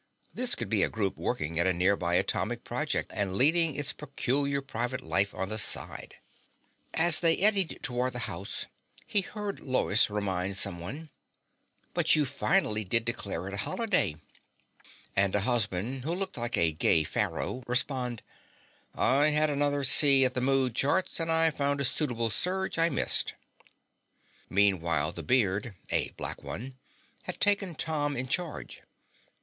This could be a group working at a nearby atomic project and leading its peculiar private life on the side. As they eddied toward the house he heard Lois remind someone, "But you finally did declare it a holiday," and a husband who looked like a gay pharaoh respond, "I had another see at the mood charts and I found a subtle surge I'd missed." Meanwhile the beard (a black one) had taken Tom in charge.